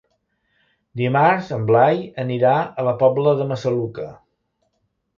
Dimarts en Blai anirà a la Pobla de Massaluca.